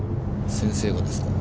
先生がですか？